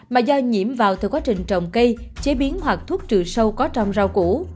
mà do nhiễm vào từ quá trình trồng cây chế biến hoặc thuốc trừ sâu có trong rau củ